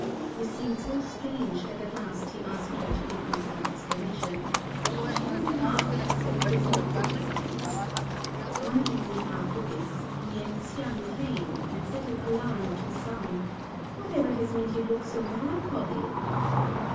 This seemed so strange that at last he asked her to give him some explanation; but she only laughed, and said it was mere coincidence. One evening after this Lien hsiang came, and said in alarm to Sang, "Whatever has made you look so melancholy?"